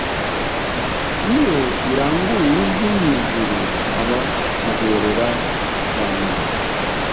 Iyo iranguruye ijwi mu ijuru haba guhōrera kwamazi